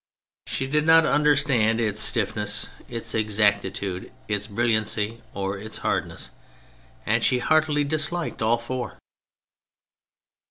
She did not understand its stiffness, THE CHARACTERS 51 its exactitude, its brilliancy or its hardness : and she heartily disliked all four.